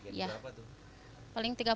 berapa sehari biasanya